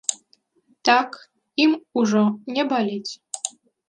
Так, ім ужо не баліць.